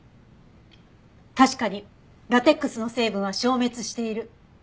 確かにラテックスの成分は消滅している。